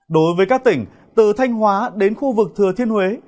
đối với các tỉnh từ thanh hóa đến khu vực thừa thiên huế